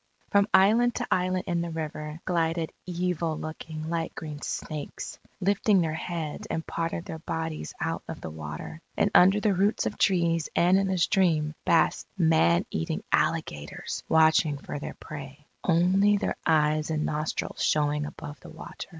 From island to island in the river, glided evil looking, light green snakes, lifting their heads and part of their bodies out of the water. And under the roots of trees and in the stream, basked man eating alligators watching for their prey, only their eyes and nostrils showing above the water.